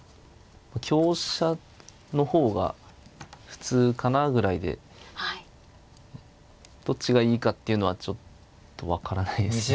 香車の方が普通かなぐらいでどっちがいいかっていうのはちょっと分からないですね。